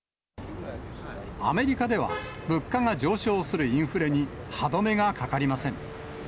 アメリカでは、物価が上昇するインフレに歯止めがかかりません。